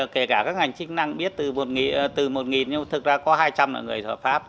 kể cả các ngành chức năng biết từ một nghìn nhưng thực ra có hai trăm là người thỏa pháp